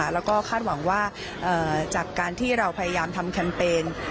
แล้วก็คาดหวังว่าจากการที่เราพยายามทำแคมเปญ